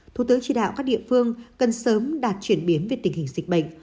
thủ tướng chỉ đạo các địa phương cần sớm đạt chuyển biến về tình hình dịch bệnh